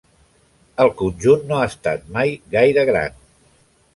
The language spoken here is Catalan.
El conjunt no ha estat mai gaire gran.